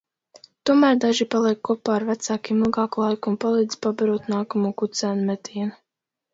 Tomēr daži paliek kopā ar vecākiem ilgāku laiku un palīdz pabarot nākamo kucēnu metienu.